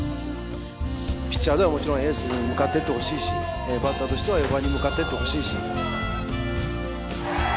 ピッチャーではもちろんエースに向かっていってほしいしバッターとしては４番に向かっていってほしいし。